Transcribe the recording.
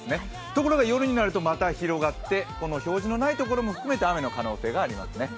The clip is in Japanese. ところが夜になると、また広がって表示のないところも含めて雨の可能性がありますね。